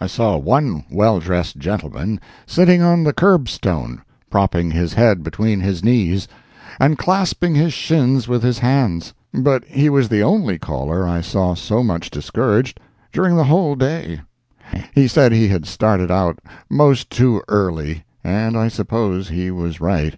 I saw one well dressed gentleman sitting on the curb stone, propping his face between his knees, and clasping his shins with his hands; but he was the only caller I saw so much discouraged during the whole day. He said he had started out most too early, and I suppose he was right.